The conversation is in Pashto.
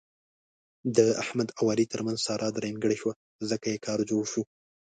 د احمد او علي ترمنځ ساره درېیمګړې شوه، ځکه یې کار جوړ شو.